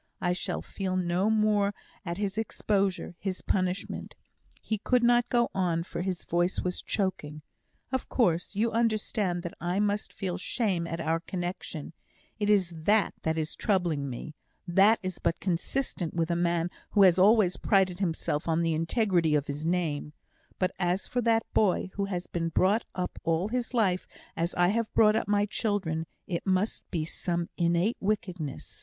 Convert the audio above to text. I shall feel no more at his exposure his punishment " He could not go on, for his voice was choking. "Of course, you understand that I must feel shame at our connexion; it is that that is troubling me; that is but consistent with a man who has always prided himself on the integrity of his name; but as for that boy, who has been brought up all his life as I have brought up my children, it must be some innate wickedness!